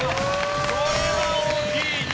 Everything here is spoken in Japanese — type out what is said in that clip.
これは大きい。